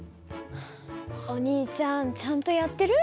お兄ちゃんちゃんとやってる？